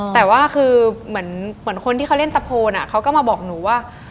แต่ว่าคือเหมือนคนที่เขาเล่นตะโพนเขาก็มาบอกหนูว่า